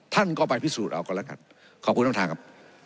ท่านก็ไปพิสูจน์เราก่อนล่ะครับขอบคุณท่านครับ